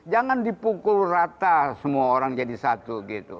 jangan dipukul rata semua orang jadi satu gitu